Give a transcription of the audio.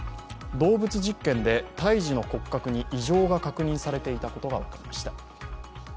動物実験で胎児の骨格に異常が確認されていたことが分かりました。